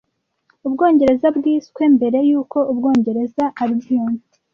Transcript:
Ubwongereza bwiswe - mbere yuko Ubwongereza Albion